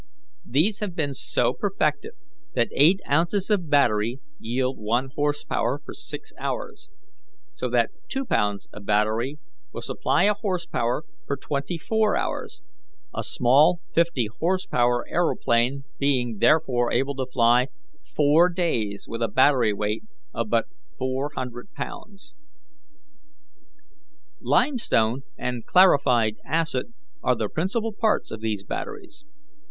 These have been so perfected that eight ounces of battery yield one horse power for six hours, so that two pounds of battery will supply a horse power for twenty four hours; a small fifty horse power aeroplane being therefore able to fly four days with a battery weight of but four hundred pounds. "Limestone and clarified acid are the principal parts of these batteries.